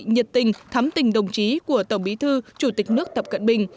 nhiệt tình thắm tình đồng chí của tổng bí thư chủ tịch nước tập cận bình